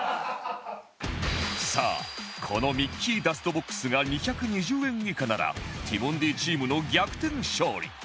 さあこのミッキーダストボックスが２２０円以下ならティモンディチームの逆転勝利